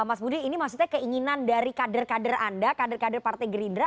mas budi ini maksudnya keinginan dari kader kader anda kader kader partai gerindra